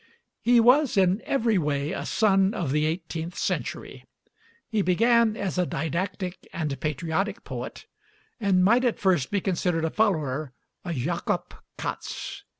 He was in every way a son of the eighteenth century; he began as a didactic and patriotic poet, and might at first be considered a follower of Jakob Cats.